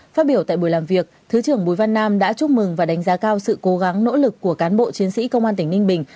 phát biểu tại buổi làm việc thứ trưởng bùi văn nam đã chúc mừng và đánh giá cao sự cố gắng nỗ lực của cán bộ chiến sĩ công an tỉnh ninh bình